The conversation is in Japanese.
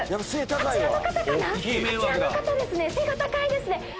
あちらの方背が高いですね。